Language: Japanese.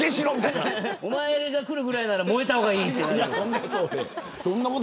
お前が来るぐらいなら燃えた方がいいみたいな。